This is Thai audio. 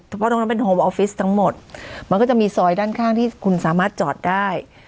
เพราะตรงนั้นเป็นโฮออฟฟิศทั้งหมดมันก็จะมีซอยด้านข้างที่คุณสามารถจอดได้